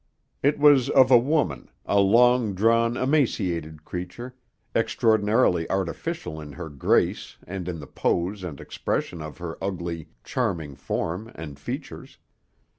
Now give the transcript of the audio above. It was of a woman, a long drawn, emaciated creature, extraordinarily artificial in her grace and in the pose and expression of her ugly, charming form and features.